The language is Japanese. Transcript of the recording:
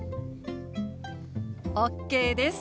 ＯＫです！